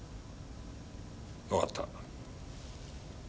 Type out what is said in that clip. わかった。